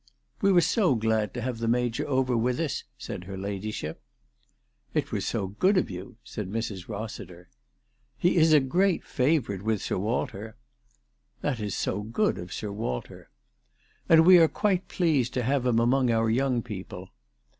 "We were so glad to have the Major over with us," said her ladyship. " It was so good of you," said Mrs. Rossiter. " He is a great favourite with Sir Walter." " That is so good of Sir Walter." " And we are quite pleased to have him among our young people."